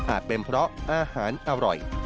เป็นเพราะอาหารอร่อย